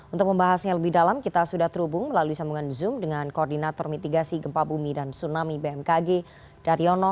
untuk membahasnya lebih dalam kita sudah terhubung melalui sambungan zoom dengan koordinator mitigasi gempa bumi dan tsunami bmkg daryono